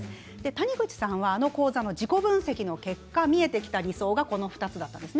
谷口さんは、あの講座の自己分析の結果、見えてきた理想がこの２つだったんです。